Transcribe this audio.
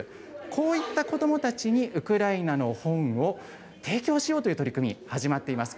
こういった子どもたちにウクライナの本を提供しようという取り組み、始まっています。